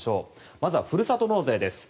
まずはふるさと納税です。